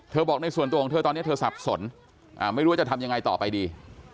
บอกในส่วนตัวของเธอตอนนี้เธอสับสนไม่รู้ว่าจะทำยังไงต่อไปดี